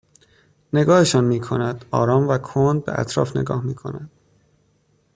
نگاهشان میکند آرام و کند به اطراف نگاه میکند